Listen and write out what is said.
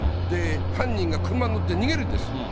で、犯人が車に乗って逃げるんです。